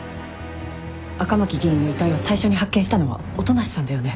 赤巻議員の遺体を最初に発見したのは音無さんだよね？